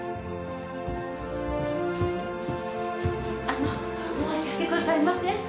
あの申し訳ございません